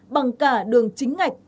bằng cả đường chính ngạch